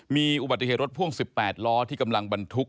มีอุบัติเหตุรถพ่วง๑๘ล้อที่กำลังบรรทุก